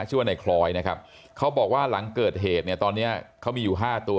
ชื่อว่าในคล้อยนะครับเขาบอกว่าหลังเกิดเหตุเนี่ยตอนเนี้ยเขามีอยู่ห้าตัว